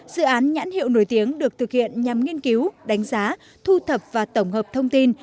dự án nhãn hiệu nổi tiếng được thực hiện nhằm nghiên cứu đánh giá thu thập và tổng hợp thông tin